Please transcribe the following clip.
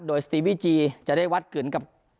โดยสตรีบีจีจะได้วัดกึ่งกับ